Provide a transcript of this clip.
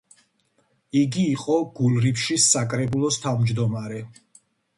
იგი იყო გულრიფშის საკრებულოს თავმჯდომარე.